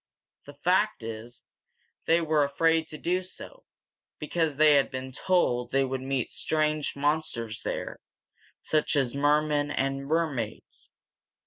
The fact is, they were afraid to do so, because they had been told they would meet strange monsters there, such as mermen and mermaids.